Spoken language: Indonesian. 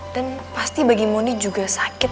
dan pasti bagi mondi juga sakit